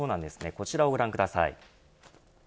こちらをご覧ください。